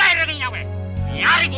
ini wajah lu